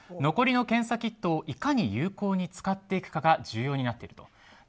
残りの検査キットをいかに有効に使っていくかが重要になっていると。